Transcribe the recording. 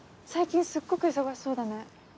最近すっごく忙しそうだね。